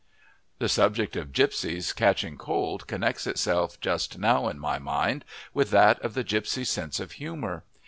The subject of gipsies catching cold connects itself just now in my mind with that of the gipsy's sense of humour.